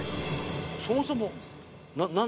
そもそも。